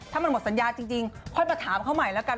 ถ้ามันหมดสัญญาจริงค่อยมาถามเขาใหม่แล้วกัน